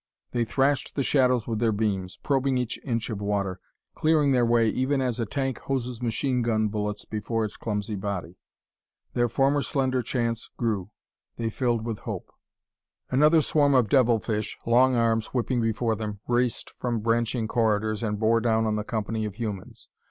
They thrashed the shadows with their beams, probing each inch of water clearing their way even as a tank hoses machine gun bullets before its clumsy body. Their former slender chance grew; they filled with hope. Another swarm of devil fish, long arms whipping before them, raced from branching corridors and bore down on the company of humans.